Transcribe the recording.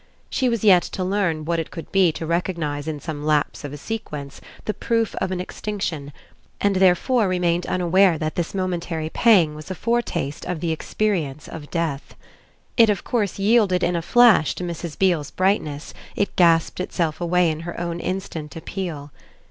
She was yet to learn what it could be to recognise in some lapse of a sequence the proof of an extinction, and therefore remained unaware that this momentary pang was a foretaste of the experience of death. It of course yielded in a flash to Mrs. Beale's brightness, it gasped itself away in her own instant appeal.